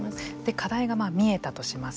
課題が見えたとします。